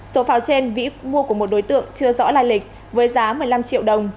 số pháo trên vĩ mua của một đối tượng chưa rõ lai lịch với giá một mươi năm triệu đồng